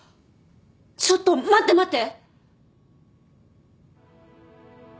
ちょっと待って待って！